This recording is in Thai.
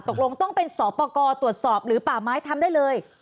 ตกลงต้องเป็นสอบประกอบตรวจสอบหรือป่าไม้ทำได้เลย